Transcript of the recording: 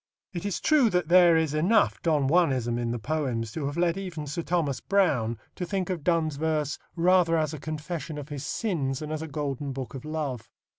It is true that there is enough Don Juanism in the poems to have led even Sir Thomas Browne to think of Donne's verse rather as a confession of his sins than as a golden book of love.